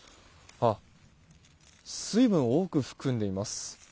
水分を多く含んでいます。